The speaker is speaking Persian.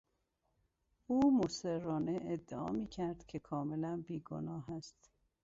او مصرانه ادعا میکرد که کاملا بیگناه است.